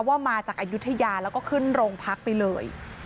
ว่ามาจากอายุทยาแล้วก็ขึ้นโรงพักไปเลย